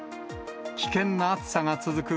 危険な暑さが続く